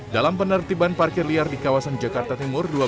dalam penertiban parkir liar di kawasan jakarta timur